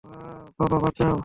বাবা, বাঁচাও!